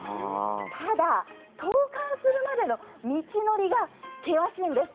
ただ、投函するまでの道のりが険しいんです。